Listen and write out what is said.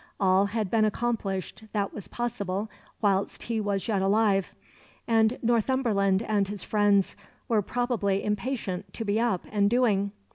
All had been accomplished that was possible whilst he was yet alive, and Northumberland and his friends were probably impatient to be up and doing.